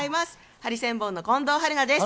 ハリセンボンの近藤春菜です。